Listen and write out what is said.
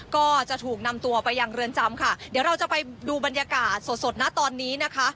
ก็จะถูกนำตัวไปยังเรือนจำค่ะเดี๋ยวเราจะไปดูบรรยากาศสดสดนะตอนนี้นะคะ